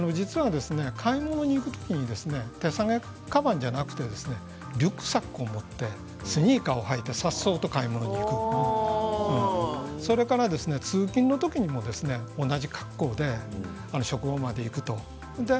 買い物に行く時に手提げかばんじゃなくてリュックサックを持ってスニーカーでさっそうと買い物に行くそれから通勤の時にも同じ格好で職場まで行く。